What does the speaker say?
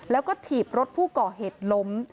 แล้วก็ถีบรถผู้ก่อเหตุล้ม